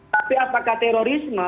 tapi apakah terorisme